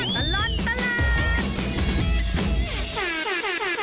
ช่วงตลอดตลาด